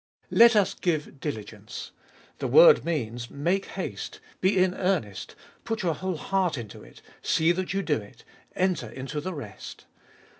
Let us give diligence. The word means, Make haste — be in earnest, put your whole heart into it, see that you do it ; enter into the rest.